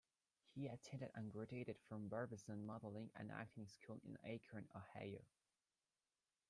He attended and graduated from Barbizon Modeling and Acting School in Akron, Ohio.